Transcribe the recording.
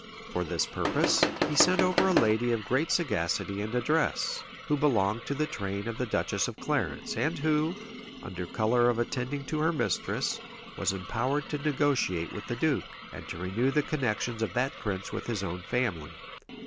For this purpose, he sent over a lady of great sagacity and address, who belonged to the train of the duchess of Clarence, and who, under color of attending her mistress, was empowered to negotiate with the duke, and to renew the connections of that prince with his own family.